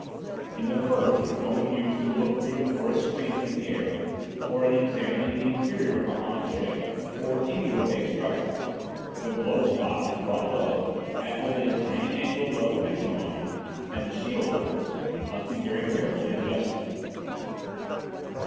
In the first, which one would use to look through the forest screen from the air, or in examining the interior of a Han ship or any opaque structure, the glow spot is brought low, at only a tiny angle above the vision line, and the shield, of course, must be very carefully adjusted.